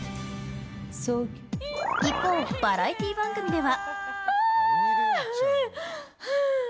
一方バラエティー番組では。